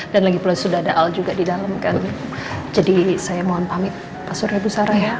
dan lagi plus sudah ada al juga di dalam kan jadi saya mohon pamit pak suriabu sarah ya